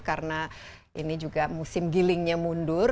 karena ini juga musim gilingnya mundur